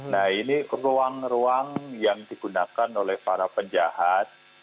nah ini ruang ruang yang digunakan oleh para penjahat